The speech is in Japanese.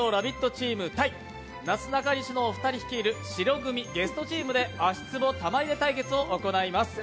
チームとなすなかにしのお二人率いる白組ゲストチームで足つぼ玉入れ対決を行います。